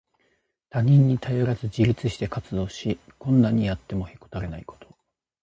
他人に頼らず自立して活動し、困難にあってもへこたれないこと。